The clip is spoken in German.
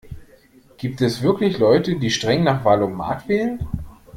Gibt es wirklich Leute, die streng nach Wahl-o-mat wählen?